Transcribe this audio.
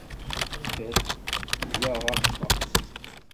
Tiṭ wwa ɣef-wa.